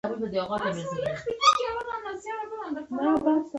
که د دوی کارخانې او ماشینونه په خپل واک کې نه دي.